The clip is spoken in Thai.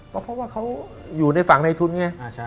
ก็เพราะว่าเขาอยู่ในฝั่งในทุนไง